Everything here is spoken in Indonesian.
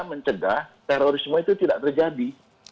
mencegah terorisme itu tidak terjadi